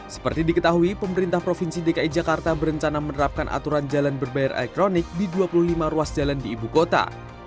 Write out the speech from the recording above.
seperti diketahui pemerintah provinsi dki jakarta berencana menerapkan aturan jalan berbayar elektronik di dua puluh lima ruas jalan di ibu kota